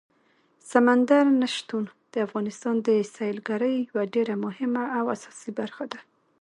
سمندر نه شتون د افغانستان د سیلګرۍ یوه ډېره مهمه او اساسي برخه ده.